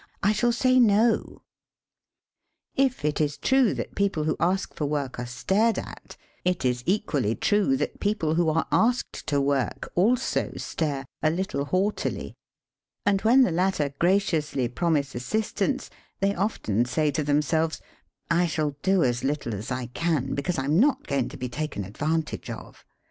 I shall say No !" If it is true that people who ask for work are stared at, it is. equally true that people who are asked to work also stare — a little haughtily. And when the latter graciously promise as sistance, they often say to themselves : "I shall do as little as I can, because I'm not going to be taken advantage of."